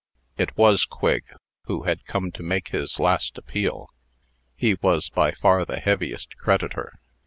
It was Quigg, who had come to make his last appeal. He was by far the heaviest creditor.